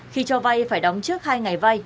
khi cho vay phải đóng trước hai ngày vay